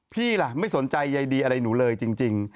พี่ล่ะไม่สนใจใยดีอะไรหนูเลยจริง